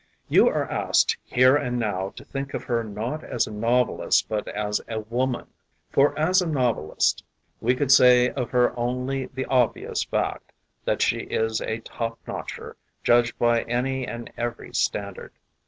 You are asked here and now to think of her not as a novelist but as a woman. For as a novelist we could say of her only the obvious fact, that she is a top notcher judged by any and every standard.